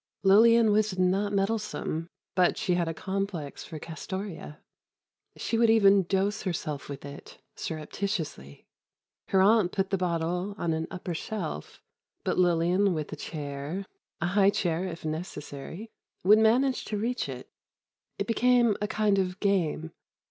Lillian was not meddlesome, but she had a complex for Castoria. She would even dose herself with it surreptitiously. Her aunt put the bottle on an upper shelf, but Lillian with a chair, a high chair if necessary, would manage to reach it. It became a kind of game.